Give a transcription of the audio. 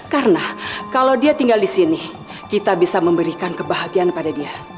karena kalau dia tinggal di sini kita bisa memberikan kebahagiaan kepada dia